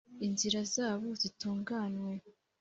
inzira zabo zitunganywe